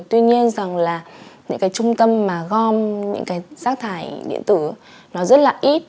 tuy nhiên rằng là những cái trung tâm mà gom những cái rác thải điện tử nó rất là ít